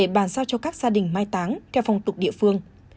bàn giao cho các gia đình mai táng theo phong tục địa phương